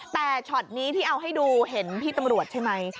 แต่ช็อตนี้ที่เอาให้ดูเห็นพี่ตำรวจใช่ไหม